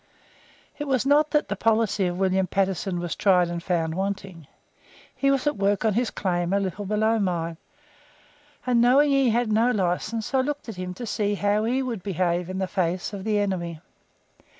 It was not that the policy of William Patterson was tried and found wanting. He was at work on his claim a little below mine, and knowing he had no license, I looked at him to see how he would behave in the face of the enemy.